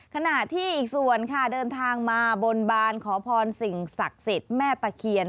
ขณะที่อีกส่วนค่ะเดินทางมาบนบานขอพรสิ่งศักดิ์สิทธิ์แม่ตะเคียน